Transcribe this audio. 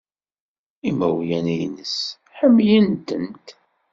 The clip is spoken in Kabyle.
Imawlan-nnes ḥemmlen-tent.